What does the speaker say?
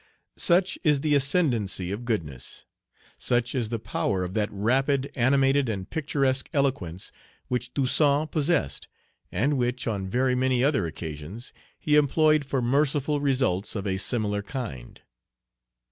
Such is the ascendency of goodness. Such is the power of that rapid, animated, and picturesque eloquence which Toussaint possessed, and which, on very many other occasions, he employed for merciful results of a similar kind.